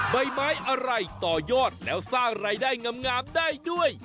ใบไม้อะไรต่อยอดแล้วสร้างรายได้งามได้ด้วย